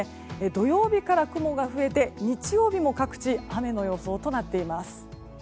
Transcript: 土曜日から雲が増えて日曜日も各地雨の予想となっています。